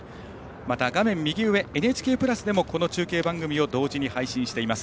また画面右上「ＮＨＫプラス」でもこの中継番組を同時に配信しています。